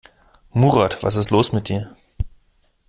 Murat, was ist los mit dir?